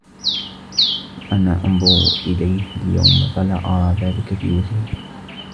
وَأَنَا أَنْظُرُ إلَيْهِ الْيَوْمَ فَلَا أَرَى ذَلِكَ فِي وَجْهِهِ